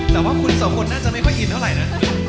แต่ว่าคุณสองคนน่าจะไม่ค่อยอินเท่าไหร่นะ